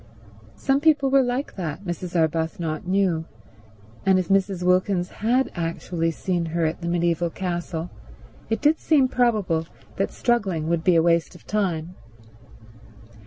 Some people were like that, Mrs. Arbuthnot knew; and if Mrs. Wilkins had actually seen her at the mediaeval castle it did seem probable that struggling would be a waste of time.